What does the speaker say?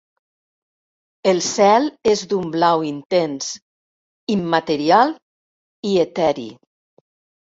El cel és d'un blau intens, immaterial i eteri.